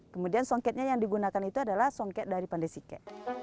kemudian songketnya yang digunakan itu adalah songket dari pandesike